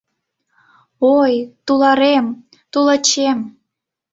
Ой, туларем, тулачем!